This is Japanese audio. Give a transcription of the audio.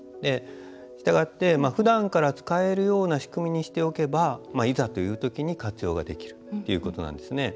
したがって、ふだんから使えるような仕組みにしておけばいざという時に活用ができるということなんですね。